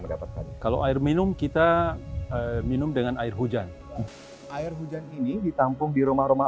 mendapatkan kalau air minum kita minum dengan air hujan air hujan ini ditampung di rumah rumah